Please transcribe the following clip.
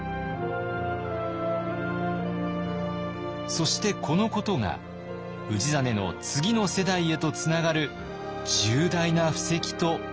そしてこのことが氏真の次の世代へとつながる重大な布石となっていきます。